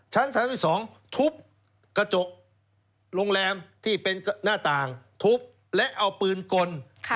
๓๒ทุบกระจกโรงแรมที่เป็นหน้าต่างทุบและเอาปืนกล